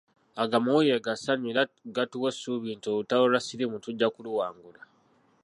Ago amawulire ga ssanyu era gatuwa essuubi nti olutalo lwa siriimu tujja kuluwangula.